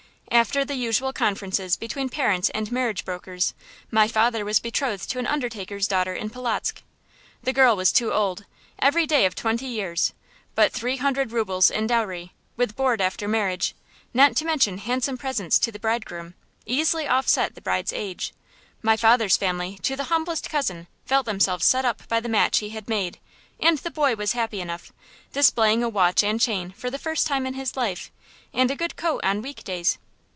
After the usual conferences between parents and marriage brokers, my father was betrothed to an undertaker's daughter in Polotzk. The girl was too old, every day of twenty years, but three hundred rubles in dowry, with board after marriage, not to mention handsome presents to the bridegroom, easily offset the bride's age. My father's family, to the humblest cousin, felt themselves set up by the match he had made; and the boy was happy enough, displaying a watch and chain for the first time in his life, and a good coat on week days.